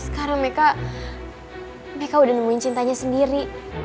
sekarang meika meika udah nemuin cintanya sendiri